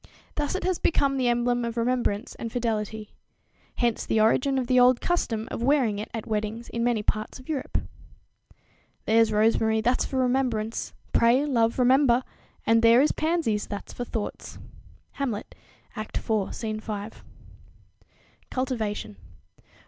Thus it has become the emblem of remembrance and fidelity. Hence the origin of the old custom of wearing it at weddings in many parts of Europe. "There's rosemary, that's for remembrance; pray, love, remember: And there is pansies, that's for thoughts." Hamlet, Act iv, Scene 5. _Cultivation.